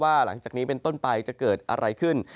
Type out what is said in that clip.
หลังจากนี้เป็นต้นไปจะเกิดอะไรขึ้น